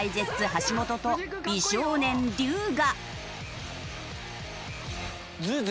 橋本と美少年龍我。